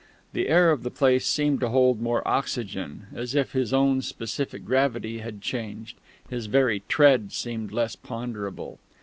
The air of the place seemed to hold more oxygen; as if his own specific gravity had changed, his very tread seemed less ponderable.